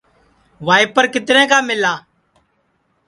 وائیپر کِترے کا مِلا